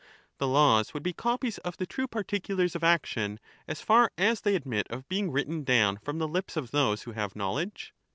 The laws would be copies of the true particulars of action as far as they admit of being written down from the lips of those who have knowledge